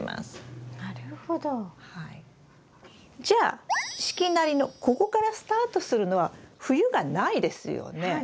じゃあ四季なりのここからスタートするのは冬がないですよね。